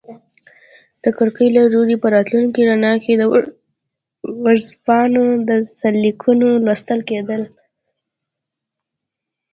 د کړکۍ له لوري په راتلونکي رڼا کې د ورځپاڼو سرلیکونه لوستل کیدل.